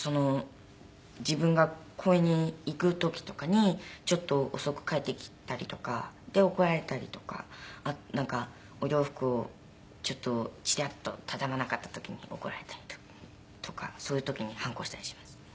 自分が公園に行く時とかにちょっと遅く帰ってきたりとかで怒られたりとかなんかお洋服をちょっとチラッと畳まなかった時に怒られたりとかそういう時に反抗したりします。